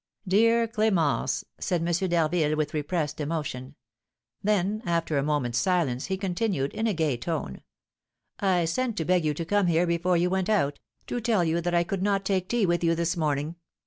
"Dear Clémence!" said M. d'Harville with repressed emotion; then, after a moment's silence, he continued, in a gay tone: "I sent to beg you to come here before you went out, to tell you that I could not take tea with you this morning.